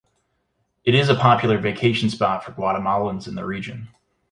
It is a popular vacation spot for Guatemalans in the region.